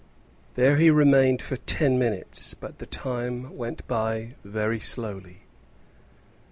There he remained for ten minutes, but the time went by very slowly.